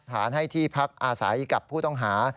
ฐานให้ที่พักอาศัยกับผู้ต้องหา